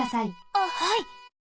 あっはい。